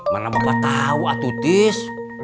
mana bapak tahu atutis